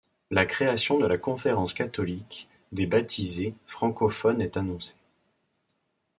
La création de la Conférence catholique des baptisé-e-s francophones est annoncée.